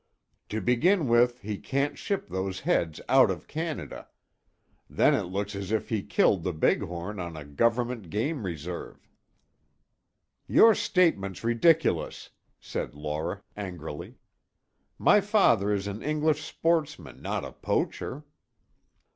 "To begin with, he can't ship those heads out of Canada. Then it looks as if he killed the big horn on a government game reserve." "Your statement's ridiculous," said Laura angrily. "My father is an English sportsman, not a poacher."